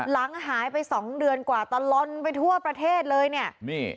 หลังหายไปสองเดือนกว่าตลอดไปทั่วประเทศเลยเนี่ยนี่